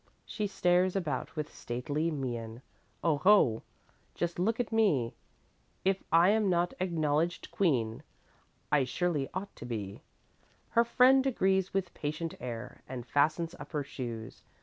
She stares about with stately mien: "O ho, just look at me! If I am not acknowledged queen, I surely ought to be." Her friend agrees with patient air And fastens up her shoes.